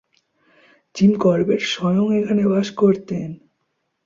Gym Corbett স্বয়ং এখানে বাস করতেন।